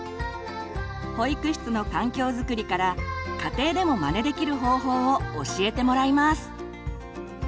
保育室の環境づくりから家庭でもまねできる方法を教えてもらいます。